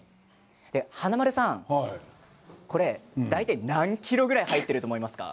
華丸さん、大体何ｋｇぐらい入ってると思いますか？